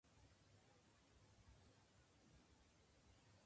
It can also be found in estuaries.